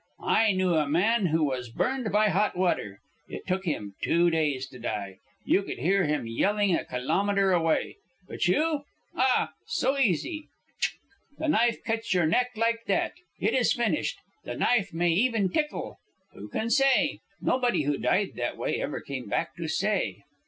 I knew a man who was burned by hot water. It took him two days to die. You could hear him yelling a kilometre away. But you? Ah! so easy! Chck! the knife cuts your neck like that. It is finished. The knife may even tickle. Who can say? Nobody who died that way ever came back to say."